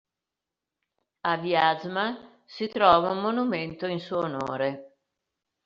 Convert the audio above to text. A Vjaz'ma si trova un monumento in suo onore.